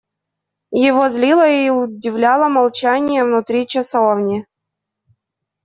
Его злило и удивляло молчание внутри часовни.